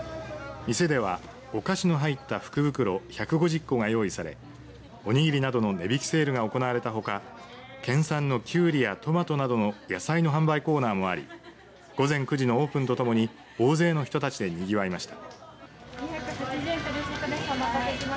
店ではお菓子の入った福袋１５０個が用意されおにぎりなどの値引きセールが行われたほか県産のきゅうりやトマトなどの野菜の販売コーナーもあり午前９時のオープンとともに大勢の人たちでにぎわいました。